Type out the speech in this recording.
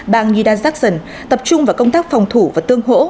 bang nida jackson tập trung vào công tác phòng thủ và tương hỗ